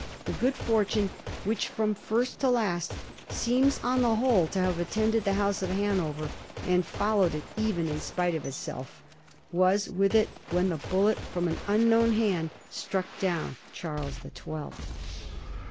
The good fortune which from first to last seems on the whole to have attended the House of Hanover, and followed it even in spite of itself, was with it when the bullet from an unknown hand struck dovm Charles the Twelfth.